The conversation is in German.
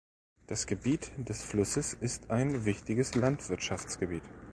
Das Gebiet des Flusses ist ein wichtiges Landwirtschaftsgebiet.